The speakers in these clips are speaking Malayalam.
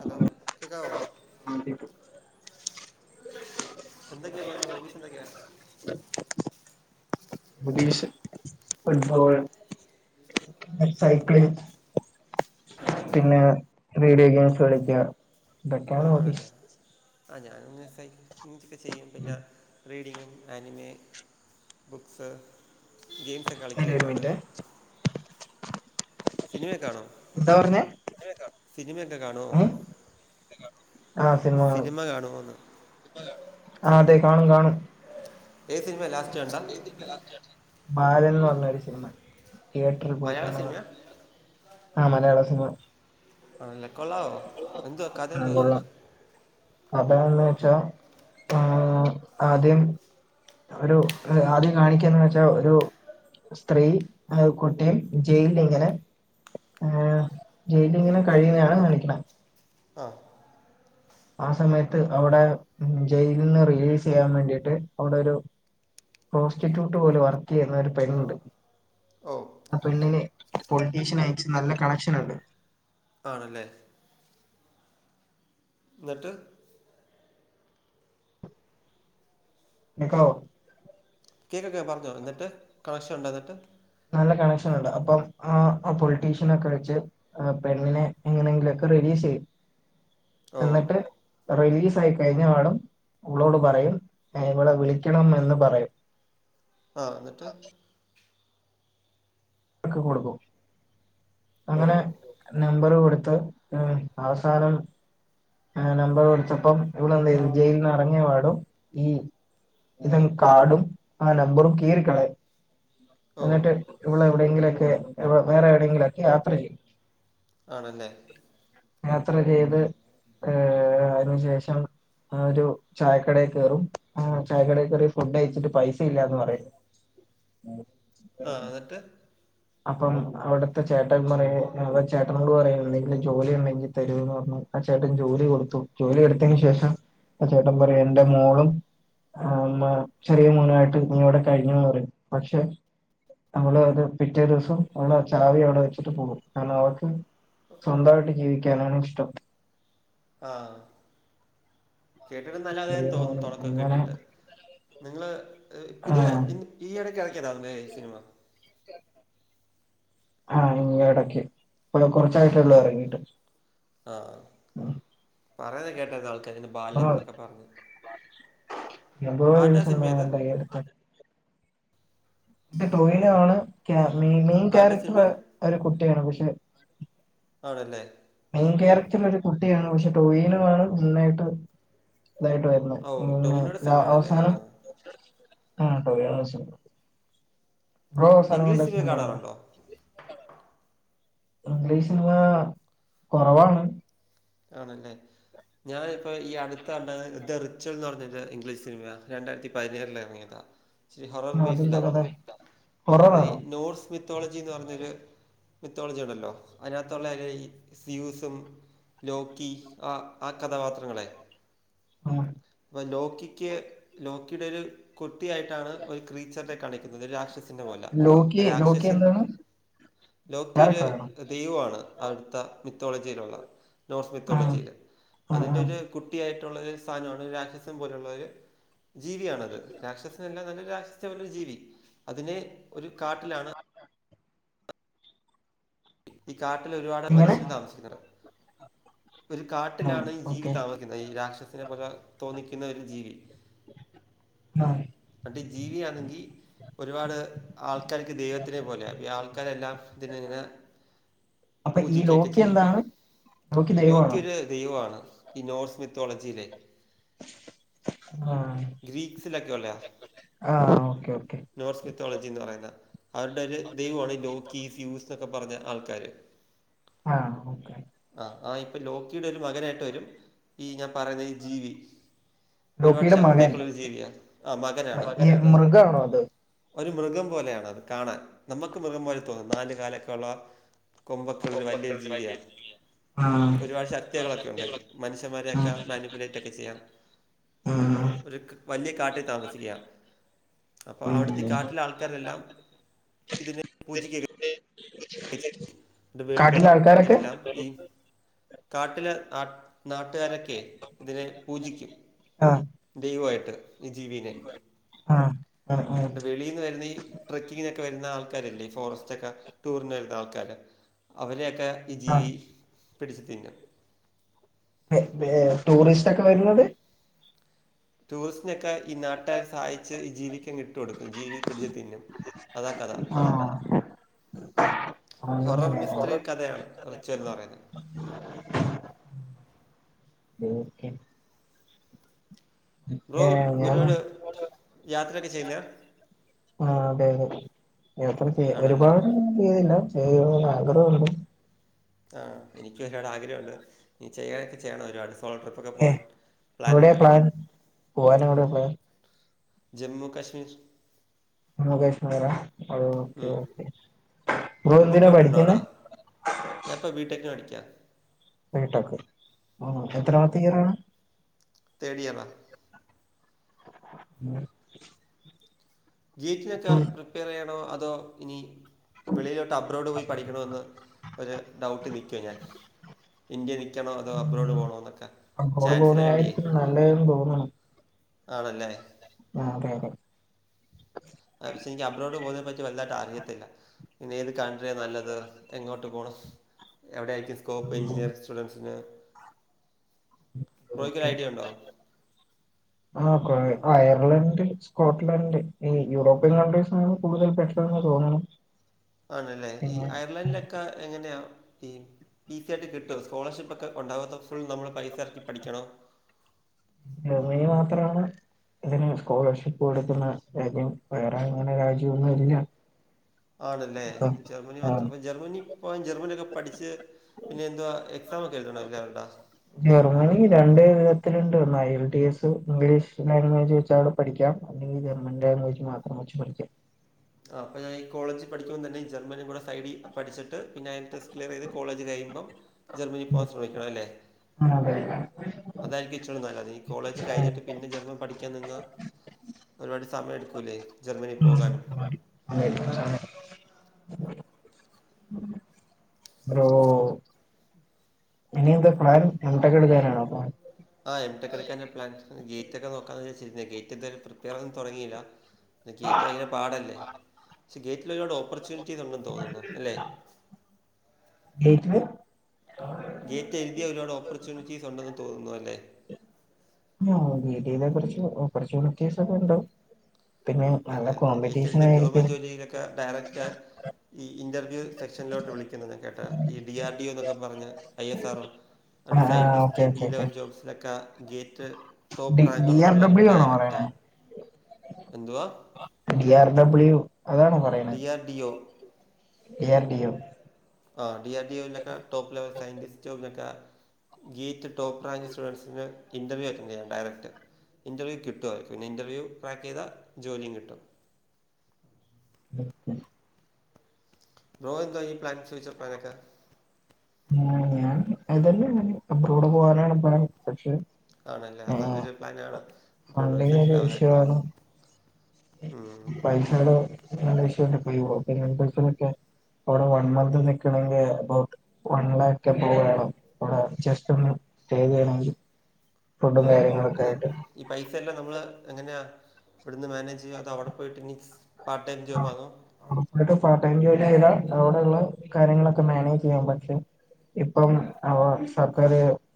ഹലോ കേക്കാവോ എന്തോകേ ഇപ്രാവശ്യം ഹോബിസ് എ ന്തോകേ [unintelligible] ഫുട്ബോള്, സൈക്ലിങ് ആണല്ലേ പിന്നെ റീഡിയോ ഗെയിംസ് കളിക്ക ആണല്ലേ ആ ഞാനൊങ്ങ [unintelligible] ചെയ്യും പിന്നെ റീഡിങ്ങും, ആനിമേ, ബുക്സ് ഗെയിംസൊക്കെ കളിക്കൊ അല്ല ഒരു ഒരുപാട് മിനിറ്റെ സിനിമയൊക്കെകാണോ? എന്താ പറഞ്ഞേ കാണുമോ ഉം ആ സിനിമ കാണും. [inaudible] കാണുന്ന്. ആ അതെ കാണും കാണും. ഏ സിനിമ ലാസ്റ്റ് കണ്ട ബാലൻന്ന് പറഞ്ഞ ഒരു സിനിമ തിയേറ്ററിൽ പോയി മലയാള കണ്ടതാ സിനിമ ആഹ് മലയാള സിനിമ. ആന്നെക്കൊള്ളാവോ എന്തുവാ കഥ എന്തുവാ അത്. കഥ ന്ന് വെച്ചാ ഉമ് ആദ്യം ഒരു ആദ്യം കാണിക്ക്യാന്ന് വെച്ചാ ഒരു സ്ത്രീ ഏ കുട്ടിയും ജയിലിലിങ്ങനെ ആ ജയിലിങ്ങനെ കഴിയുന്നതണ് കാണിക്ക് ആ ആ സമയത്ത് അവിടെ ജയിൽന്ന് റിലീസ് ചെയ്യാൻ വേണ്ടിയിട്ട് അവിടെ ഒരു പ്രോസ്റ്റിറ്റ്യൂട്ട് പോലെ വർക്ക്യ്യുന്ന ഒരു പെണ്ണ്ണ്ട് ഓ ആ പെണ്ണിന് പൊളിറ്റീഷ്യൻ അയിച്ച് നല്ല കണക്ഷൻ ഉണ്ട് ആണല്ലേ ന്നിട്ട് നിക്കോ കേക്കൊക്കെ പറഞ്ഞോ ന്നിട്ട് കാശുണ്ടോ ന്നിട്ട് നല്ല കണക്ഷൻ ഉണ്ട് അപ്പം ആ പൊളിറ്റീഷ്യൻ ഒക്കെ വെച്ച് ആ പെണ്ണിനെ എങ്ങനെങ്കിലുക്കെ റെലീസ് യ്യും ഓ എന്നിട്ട് റിലീസ് ആയി കഴിഞ്ഞ പാടം ഓളോട് പറയും ഇവളെ വിളിക്കണം എന്ന് പറയും. ആ എന്നിട്ട്? ക്ക് കൊടുക്കും ഓ അങ്ങനെ നമ്പർ കൊടുത്ത് ഉം അവസാനം നമ്പർ കൊടുത്തപ്പം ഇവിള് എന്തെയ്ത് ജയിലിൽ നിന്ന്റങ്ങിയ പാടും ഈ ഇതും കാടും അ നമ്പറും കീർ കള ഓ എന്നിട്ട് ഇവടെ എവിടെയെങ്കിലൊക്കെ വേറെ എവിടെയെങ്കിലൊക്കെ യാത്ര ചെയ്യും ആണല്ലേ യാത്ര ചെയ്ത് ഏഹ് അതിനു ശേഷം ആഹ് ഒരു ചായക്കടയിൽ കയറും ചായക്കടയിൽ കയറി ഫുഡ് കയ്ച്ചിട്ട് പൈസ ഇല്ലാന്ന് പറയുന്നു ആഹ് എന്നിട്ട് അപ്പം അവിടുത്തെ ചേട്ടൻ പറ ചേട്ടനൾ പറയണ്ടെങ്കിൽ ജോലി ഉണ്ടെങ്കിൽ തരുന്ന് പറഞ്ഞു ചേട്ടൻ ജോലി കൊടുത്തു ജോലിഎടുത്തതിന് ശേഷം ആ ചേട്ടൻ പറയും എന്റെ മോളും ആമ്മ ചെറിയ മോനായിട്ട് നീ ഇവിടെ കഴിഞ്ഞന്ന് പറയും പക്ഷെ നമ്മള് അത് പിറ്റേ ദിവസം അവള് ചാവി അവിടെ വെച്ചിട്ട് പോകും കാരണം അവക്ക് സ്വന്തായിട്ട് ജീവിക്കാനാണ് ഇഷ്ടം ആഹ് കേട്ടിട്ട് നല്ലാതെന്ന് ചെറിയ തോന്നുന്നു മോന് തുടക്കം അങ്ങനെ കേട്ടിട്ട് നിങ്ങള് പുതിയ ആഹ് ഈയിടയ്ക്കിടക്കതാണോ ഈ സിനിമ ആഹ് ഇങ്ങ് ഇടക്ക് ഇപ്പ കൊറച്ചായിട്ടേള്ളൂ ആണല്ലേ ഇറങ്ങീട്ട് പറയതെ കേട്ടാതാൾക്ക് ബാലൻ എന്നൊക്കെ പറഞ് എന്തോരം ആര്ടാ ദിവസം സിനിമേത് [inaudible] ഇ ടൊവിനോയാണ് മെയിൻ ആരുടെ ക്യാരക്ടർ സിനിമയാ ഒരു കുട്ടിയാണ് പക്ഷെ ആണല്ലേ മെയിൻ ക്യാരക്ടർ ഒരു കുട്ടിയാണ് പക്ഷെ ടോവിനോ ആണ് മുന്നായിട്ട് ഇതായിട്ട് വ ഓ ങ്ങനെ ടോവിനോയുടെ ലാ സിനിമയാണല്ലേ ആ അവസാനം ടൊവിനോ ആട്ടോന്ന് ഇംഗ്ലീഷ് സിനിമ കാണാനുണ്ടോ ഇംഗ്ലീഷ് സിനിമ കുറവാണ് ആണല്ലേ ഞാനിപ്പോൾ ഈ അടുത്തണ്ടത് ദ റിച്വൽ എന്ന് പറഞ്ഞട്ട് ഇംഗ്ലീഷ് സിനിമ രണ്ടായിരത്തി പതിനേറില് ഇറങ്ങിയ ആഹ് ഇച്ചിരി ഹൊറർ അതെന്താ ബേസ്ഡാ കഥ അത് ഹൊററാണോ നോർസ് മിത്തോളജി എന്ന് പറഞ്ഞൊരു മിത്തോളജി ഉണ്ടല്ലോ അതിനകത്തുള്ള ഈ സ്യൂസും ലോക്കി ആഹ് ആഹ് കഥാപാത്രങ്ങളെ ആഹ് അപ്പ ലോക്കിക്ക് ലോക്കിയുടെ ഒരു കുട്ടിയായിട്ടാണ് ഒരു ക്രീച്ചറിന്റെ കാണിക്ക് രാക്ഷസിന് പോലെ ലോക്കി ലോക്കി രാക്ഷസൻ എന്താണ് ലോക്കിയ. ക്യാരക്ടറാണോ ദെയവു ആണ് അടുത്ത മിത്തോളജിയിലുള്ള നോർസ് ആഹ് മിത്തോളജിയിൽ ആഹ് അതിന്റെ ആഹ് ഒരു. കുട്ടിയ ആയിട്ടുള്ള ഒരു സ്ഥാനമാണ് രാക്ഷസൻ പോലുള്ള ഒരു ജീവിയണത് രാക്ഷസൻ എല്ലാ നല്ല രാ ജീവി അതിനെ ഒരു കാട്ടിലാണ്. ആഹ് ഈ കാട്ടില് ഒരുപാട് എങ്ങനെ മനുഷ്യൻ താമസിക്കുനുണ്ട്. ഒരു ആഹ് കാട്ടിലാണ് ഈ ജീവി ഓക്കെ താമസിക്കുന്നത് ഈ രാക്ഷസനെ പോലെ തോന്നിക്കുന്ന ഒരു ജീവി. ആഹ് ജീവിയാണെങ്കിൽ ഒരുപാട്. ആൾക്കാർക്ക് ദൈവത്തിനെ പോലെ ഈ ആൾക്കാരെല്ലാം ഇതി ഇങ്ങനെ അപ്പൊ ഈ പൂജിക ഒകൊ ലോക്കി ചെയ്യും. എന്താണ് ലോക്കി ലോക്കൃ ദൈവമാണോ ഒരു ദൈവമാണ് ഈ നോർസ് മിത്തോളജിയിലെ. ആഹ് ഗ്രീക്സി ലൊക്കെ യൊള്ള ആഹ് ഓക്കെ ഓക്കെ നോർസ് മിത്തോളജി എന്ന് പറയുന്ന അവരുടെ ഒരു ദൈവമാണ് ലോക്കി, യൂത്ത് ഇപ്പം പറഞ്ഞ ആൾക്കാര് ആ ഓക്കെ ആ ആ ഇപ്പൊ ലോക്കിയുടെ ഒരു മകനായിട്ട് വരും. ഈ ഞാൻ പറയുന്ന ജീവി. ഒരുപാട് ലോക്കിയുടെ മകൻ ശക്തിയൊക്കുള്ളരു ജീവിയാ, ആ മകനാണ്. ഈ മൃഗാണോ അത് ഒരു മൃഗം പോലെയാണ് അത് കാണാൻ. നമുക്ക് മൃഗം പോലെ തോന്നും. നാല് കാലൊക്കെയുള്ള കൊമ്പക്കെ ഉള്ള ഒരു വലിയൊരു ജീവിയാ ആഹ് ഒരുപാട് ശക്തികളൊക്കെുണ്ട് മനുഷ്യന്മാരെയൊക്കെ ആഹ് മാനിപ്പുലേറ്റ് ഒക്കെ ചെയ്യാൻ ആഹ് ഒരു വലിയ കാട്ടിൽ താമസിക്ക അപ്പ ഉം അവിടുത്തെ കാട്ടിലെ ആൾക്കാരെല്ലാം ഇതിനെ പൂജിക്ക വെളി കാട്ടിലെ ആൾക്കാരൊക്കെ എല്ലാം ഈ കാട്ടിലെ ആ നാട്ടുകാരൊക്കെ ഇതിനെ പൂജിക്കും. ആഹ് ദൈവമായിട്ട് ഈ ജീവീനെ ആഹ് ആഹ് വെളിന്ന് വരുന്ന ഈ ട്രക്കിങ്ങിനൊക്കെ വരുന്ന ആൾക്കാരില്ലേ, ഈ ഫോറസ്റ്റ്ക്കെ ടൂറിന് വരുന്ന ആൾക്കാര്. അവരെയൊക്കെ ഈ ആഹ് ജീവി ആഹ് പിടിച്ചു തിന്നും. ടൂറിസ്റ്റ് ഒക്കെ വരുന്നത്. ടൂറിസ്റ്റിനൊക്കെ ഈ നാട്ടകാർ സഹായിച്ച് ഈ ജീവിക്കങ്ങ് ഇട്ട് കൊടുക്കും. ജീവി പിടിച്ച് തിന്നും. അതാ കഥാ. [unintelligible] ഇചിരിയൊരു കഥയാണ് ചെറുതാ പറയുന്നത്. [unintelligible] ബ്രോ, ഏഹ് ഞാൻ ഒരുപാട് യാത്രയൊക്കെ ചെയ്യുന്ന ആ അതെ അതെ യാത്ര ചെയ്യാ ആണല്ലേ ഒരുപാട് ഒന്നും ചെയ്യയില്ല. [unintelligible] ആഗ്രഹണ്ട് ആ എനിക്ക് ഒരുപട് ആഗ്രഹമുണ്ട്. നീ ചെയ്യാനൊ ചെയ്യണം ഒരുപാട്. കോളോ ട്രിപ്പ്ക്കെ പോകാൻ ഏഹ് എവിടെയാ പ്ലാനുണ്ട്. പ്ലാൻ പോവാൻ എവിടെയാ ഉള്ള. ജമ്മു കശ്മീർ. ജമ്മു കാശ്മീറാ, ആ ഓക്കെ, ഉം. ഓക്കെ, ബ്രോ എന്തിനാ പഠിക്കുന്നേ? ഞാനിപ്പോ ബിടെക്കിന്. പഠിക്കാ. ബിടെക്, എത്രാമത്തെ ഇയറ? തോട് ഇയറ് ഉം [unintelligible] ജീറ്റിനൊക്കെ അപ്പം പ്രിപ്പയർ ചെയ്യണോ അതോ ഇനി വെളിയിലോട്ട് അബ്രോഡ് പോയി പഠിക്കണോഎന്ന്. ഒരു ഡൗട്ട് നിക്കുവാ ഞാൻ. ഇന്ത്യ നിക്കണോ അതോ അബ്രോഡ് ഉം, പോണോ എന്നൊക്കെ, അബ്രോഡ് ചാൻസിന് വേണ്ടിയേ. പോകുന്നതായിരിക്കും നല്ലതെന്ന് തോന്നുണു ആണല്ലേ [unintelligible] പക്ഷെ എനിക്ക് അബ്രോഡ് പോകുന്നതിനെ പറ്റി വലുതായിട്ട് അറിയത്തില്ല. പിന്ന ഏത് കൺട്രിയാ നല്ലത് എങ്ങോട്ട് പോണം എവിടെ ആയിട്ട് സ്കോപ്പ് ഉം. എഞ്ചിനീയറിംഗ് സ്റ്റുഡൻറ്സിന് ഓക്കെ, ആ അയർലഡ് സ്കോട്ട്ലാൻഡ്, ഈ യൂറോപ്യൻ കൺട്രീസാണ് കൂടുതൽ പെട്ടന്ന് തോന്നുണു. ആണല്ലേ ഈ പിന്നെ അയർലൻഡിലൊക്കെ എങ്ങനെയാ, ഈ ഈസി ആയിട്ട് കിട്ടു വോ, ഈ സ്കോളർഷിപ്പ് ഒക്കെ ഒണ്ടാകത്തോ ഫുൾ നമ്മൾ പൈസ ഇറക്കി പഠിക്കണോ. മാത്രമാണ് ഇതിന് സ്കോളർഷിപ്പ് കൊടുക്കുന്ന രാജ്യം വേറെ അങ്ങനെ രാജോന്നു ഇല്ല ആണല്ലേ അപ്പം ജർമ്മനി മൊത്തം ആഹ് അപ്പം ജർമ്മനി പോവാൻ ജർമ്മനിയൊക്കെ പഠിച്ച് പിന്നെന്തുവാ എക്സാം [unintelligible] ജർമ്മനി രണ്ട് വിധത്തിലുണ്ട് ഒന്ന് I L T S English language വെച്ചവ്ടെ പഠിക്കാം [unintelligible] മാത്രം വെച്ച് പഠിക്കാം ആപ്പൊ ഞാൻ കോളേജ് പഠിക്ക്പോ തന്നെ ജർമ്മനി കൂടെ [unintelligible] പഠിട്ട് പിന്നെ അതി ടെസ് ക്ലിയർ ചെയ് കോളേജ് കഴിയുമ്പോം ജർമ്മനി പോവാൻ ശ്രമിക്കണല്ലേ? ആ [unintelligible] അതായിരിക്കിച്ചൂടെ നല്ലത് നീ കോളേജ് കഴിഞ്ഞിട്ട് പിന്നെ ജർമ്മൻ പഠിക്കാൻ നിന്ന ഒരുപാട് സമയം എടുക്കൂല്ലേ മ് [inaudible] ബ്രോ ഇനിയെന്താ പ്ലാന് [unintelligible] ആ എം ട്ക ഒക്കെ എടുക്കൻ പ്ലൻ ഗേറ്റേക്ക് നോക്കാന്ന് വെച്ചിരുന്നേ ഗേറ്റ് എന്തായാലും പ്രെപറയാൻ തുടങ്ങയില്ല ഗേറ്റ് ഭയങ്കര പാടല്ലേ പക്ഷേ ഗേറ്റിൽ ഒരുപാട് ഓപ്പർച്യൂണിറ്റീസ് ഉണ്ടെന്ന് തോന്നുന്നു അല്ലേ [unintelligible] ഗേറ്റ് എഴ്തിയ ഒരുപാട് ഓപ്പർച്യൂണിറ്റീസ് ഒണ്ടെന്ന് തോന്നുന്നു അല്ലേ? ആ വീഡിയയിലെ കൊറച്ച് ഓപ്പർച്യൂണിറ്റീസ് ഒക്കെയിണ്ട്. അതെ അതെ ഗേറ്റെഴുതി ആയിരിക്കും ഗവൺമെന്റ് ജോലിയിലൊക്കെ ഡയറക്റ്റ് ഈ ഇന്റർവ്യൂ സെക്ഷനിലോട്ട് വിളിക്കുന്നത് ഞാൻ കേട്ടാ ഈ ഡി ആർ ഡി ഒ എന്നൊക്കെ പറഞ്ഞ് ഐ എസ് ആർ ഒ അത് ആഹ് okay scientist B okay okay level ജോബ്സിലൊക്കെ ഗേറ്റ് ടോപ്പ് ഡി ഡി റാങ്കള്ള ആർ പിള്ളേർക്ക് ഡബ്ല്യു ആണോ പറയണേ ഡയറക്റ്റാണ് എന്തുവാ ഡി ആർ ഡബ്ല്യൂ അതാണോ പറയണേ ഡിയർ ടി യോ ഡി ആർ ഡി ഒ ആ ഡി ആർ ഡി യൊലൊക്കെ ടോപ്പ് ലെവൽ സയന്റിസ്റ്റുംലോക്കെ ഗീത്ത് ടോപ്പ് റാഞ്ച് സ്റ്റുഡൻറ്സിന് ഇൻറർവ്യു ആറ്റന്റ് ചെയ്യാ ഡയറക്റ്റ് ഇൻറവൂ കിട്ടു പിന്നെ ഇന്റർവ്യൂ ട്രാക്ക് ചെയ്ത ജോലിയും കിട്ടും [inaudible] ബ്രോ എന്തോ ഈ പ്ലാൻസ് [unintelligible] [unintelligible] ഞാൻ അതന്നെ അബ്രോഡ് പോവാനാണ് പ്ലാൻ പക്ഷെ ആണല്ലേ ഏഹ് നല്ലൊരു പ്ലാനാണ് [unintelligible] ഫണ്ടിങ് സെറ്റിൽ ആവുന്നൊക്കെ പൈസകയുടെ നല്ല ഇഷ്യൂണ്ട് [unintelligible] അവ്ടെ വൺ മന്ത് നിക്കണമെങ്കി എബൗട്ട് വൺ ലാക്ക് [inaudible] ഓ ഫുഡും അപ്പം കാര്യങ്ങളൊക്കെ ഇത് ആയിട്ട് ഈ പൈസയല്ലാം നമ്മള് എങ്ങനെയാ? ഇവിടുന്ന് മാനേജ് ചെയ്യോ അവിടെ പോയിട്ട് ഇനി പാർടൈം ജോബാകൊ ഇവടെ പാർടൈം ജോലി ചെയ്താൽ അവിടെയുള്ള കാര്യങ്ങളൊക്കെ മാനേജ് ചെയ്യാൻ പറ്റും ഇപ്പം സർക്കാർ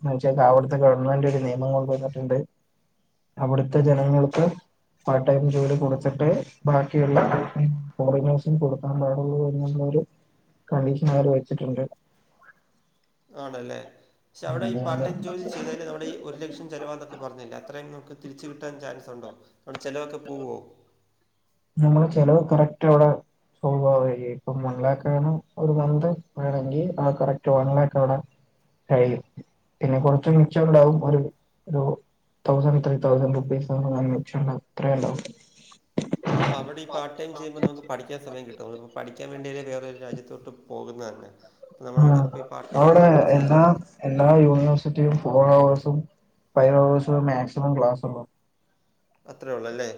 വെച്ചാ അവിടുത്തെ ഗവൺമെന്റ് ഒരു നിയമം കൊണ്ട് വന്നിട്ടുണ്ട് അവിടുത്തെ ജനങ്ങൾക്ക് പാർട്ട് ടൈം ജോലി കൊടുത്തിട്ട് ബാക്കിയുള്ള ഫോറിനേസിന് കൊടുക്കാം പാടുള്ളൂ എന്നുള്ളൊരു കണ്ടീഷനവര് വെച്ചിട്ടുണ്ട്. ആണല്ലേ പക്ഷെ അവടേ ഈ പാർട്ട് അതുകൊണ്ട് ടൈം ജോലി ചെയ്താല് നമ്മുടെ ഈ ഒരു ലക്ഷം ചിലവാെന്നൊക്കെ പറഞ്ഞില്ലേ അത്രയും നമുക്ക് തിരിച്ച് കിട്ടാൻ ചാൻസ് ഉണ്ടോ ചിലവൊക്കെ പൂവ്വോ നമ്മള് ചെലവ് കറക്റ്റവിടെ ഇപ്പം ഈ ഇപ്പം വൺ ലാക്കാണ് ഒരു മന്ത് വേണെങ്കി ആ കറക്റ്റ് വൺ ലാക്കവ്ടെ കയ്യും പിന്നെ കൊർച്ച് മിച്ചണ്ടാവും ഒരു രു തൗസൻ് ത്രീ തൗസന്റ് റുപീസ് [unintelligible] അത്രയുണ്ടാവും അപ്പ അവിടെ ഈ പാർട്ട്‌ ടൈം ചെയുമ്പോ നിങ്ങക്ക് പഠിക്കാൻ സമയം കിട്ടോ? നിങ്ങളിപ്പോ പഠിക്കാൻവേണ്ടിയല്ലേ വേറൊരു രാജ്യത്തോട്ടു പോ പോകുന്നത് തന്നെ ആഹ് നമ്മളവിടെ പാർട്ട് ടൈം ഒക്കെ അവിടെ ഒരുപാട് എല്ലാ ചെയ്യ്പത്തേക്കും എല്ലാ യൂണിവേഴ്സിറ്റിയും ഫോർ അവേഴ്സും ഫൈവ് അവവേഴ്സും മാക്സിമം ക്ലാസ് ഉള്ളു അത്രയേ ഉള്ളല്ലേ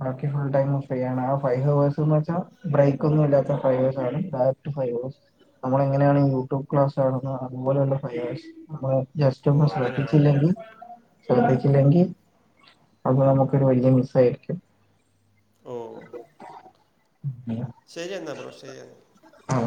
ബാക്കി ഫുൾ ടൈമും ഫ്രീയാണ് ആ ഫൈവ് ഹവേഴ്സ്ന്നു വെച്ചാൽ ബ്രേക്കൊന്നുല്ലാത്ത ഫൈവ് ഹവേഴ്സാണ് ഡേറക്ടു ഫൈവ് ഹവേയ്സ് നമ്മളെങ്ങനെയാണ് യൂട്യൂബ് ക്ലാസ്സ ണുന്നത് അതുപോലെയുള്ള ഫൈയസ് നമ്മളെ ഓ ജസ്റ്റൊന്ന് അങ്ങനെയാണല്ലേ ശ്രേദ്ധിച്ചില്ലെങ്കിൽ ശ്രദ്ധിക്കില്ലെങ്കിൽ അത് നമുക്കൊരു വലിയ മിസ്സാരിക്ക്യും. ഓഹ് [inaudible] ശെരിയെന്ന ബ്രോ ശെരി ആ